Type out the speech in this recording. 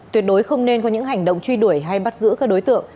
tuyệt đối không nên có những hành động truy đuổi hay bắt giữ các đối tượng